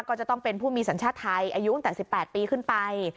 ก็จะต้องเป็นผู้มีสัญชาติไทยอายุตั้งแต่๑๘ปีขึ้นไป